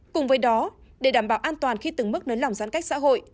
cùng với đó để đảm bảo an toàn khi từng mức nấn lòng giãn cách xã hội